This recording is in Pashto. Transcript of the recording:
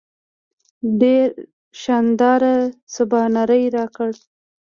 ډېر شانداره سباناری راکړ.